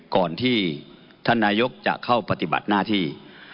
ก่อนที่ท่านนายกจะเข้าปฏิบัติหน้าที่